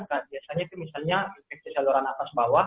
biasanya itu misalnya infeksi saluran atas bawah